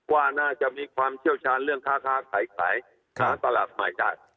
ว่าน่าจะมีความเชี่ยวชาญเรื่องค้าขายค้าตลาดใหม่ได้